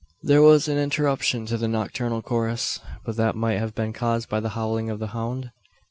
There was an interruption to the nocturnal chorus; but that might have been caused by the howling of the hound?